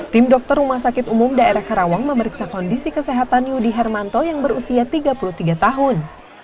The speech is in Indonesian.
tim dokter rumah sakit umum daerah karawang memeriksa kondisi kesehatan yudi hermanto yang berusia tiga puluh tiga tahun